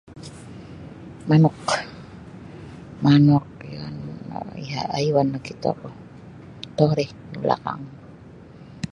Manuk manuk iyo haiwan nakitoku tauri da belakang.